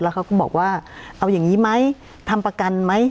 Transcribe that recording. เขาก็บอกว่าเอาอย่างนี้ไหมทำประกันไหม